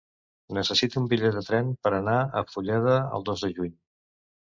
Necessito un bitllet de tren per anar a Fulleda el dos de juny.